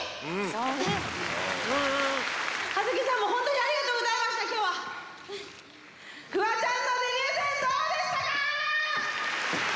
葉月さんも本当にありがとうございました！